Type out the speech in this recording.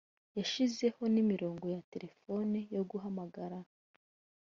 yashyizeho n’imirongo ya telefone yo guhamagara